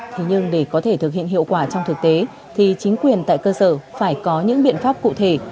thế nhưng để có thể thực hiện hiệu quả trong thực tế thì chính quyền tại cơ sở phải có những biện pháp cụ thể